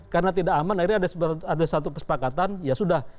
karena tidak aman akhirnya ada satu kesepakatan ya sudah